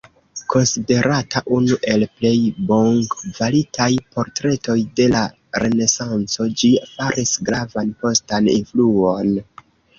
Konsiderata unu el plej bonkvalitaj portretoj de la Renesanco, ĝi faris gravan postan influon.